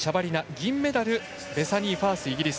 銀メダル、ベサニー・ファースイギリス。